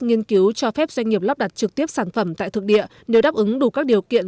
nghiên cứu cho phép doanh nghiệp lắp đặt trực tiếp sản phẩm tại thực địa nếu đáp ứng đủ các điều kiện